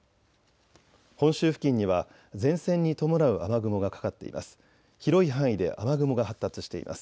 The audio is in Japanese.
本州付近には前線に伴う雨雲がかかっています。